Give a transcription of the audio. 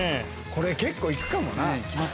これ結構行くかもな。